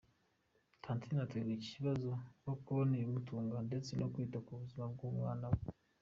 Tantine aterwa ikibazo no kubona ibimutunga ndetse no kwita ku buzima bw’umwana we.